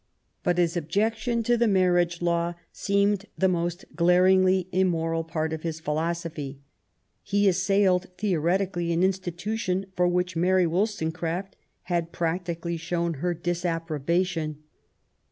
But his objection to the marriage law seemed the most glaringly im moral part of his philosophy. He assailed theoretically an institution for which Mary WoUstonecraft had practically shown her disapprobation.